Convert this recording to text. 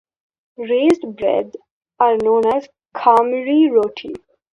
Raised breads are known as "khamiri roti".